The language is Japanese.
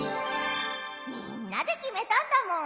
みんなできめたんだもん。